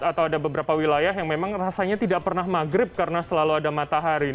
atau ada beberapa wilayah yang memang rasanya tidak pernah maghrib karena selalu ada matahari